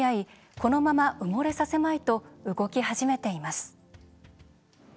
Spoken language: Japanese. このまま埋もれさせまいと動き始めています。